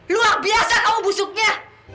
luar biasa kamu busuknya